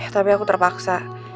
tapi aku terpaksa